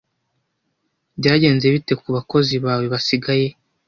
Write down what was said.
Byagenze bite ku bakozi bawe basigaye?